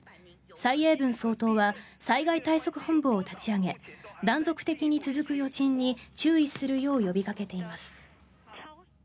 蔡英文総統は災害対策本部を立ち上げ断続的に続く余震に注意するよう呼びかけています。